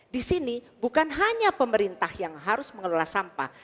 disini bukan hanya pemerintah yang harus mengelola sampah